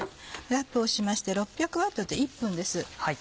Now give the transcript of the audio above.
ラップをしまして６００Ｗで１分です。